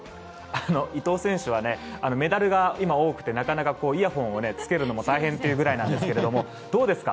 伊藤選手はメダルが今、多くてなかなかイヤホンをつけるのも大変というぐらいなんですけどどうですか？